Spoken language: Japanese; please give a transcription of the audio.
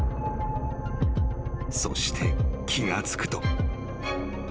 ［そして気が付くと］